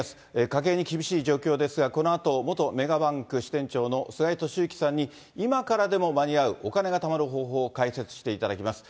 家計に厳しい状況ですが、このあと、元メガバンク支店長の菅井敏之さんに、今からでも間に合うお金がたまる方法を解説していただきます。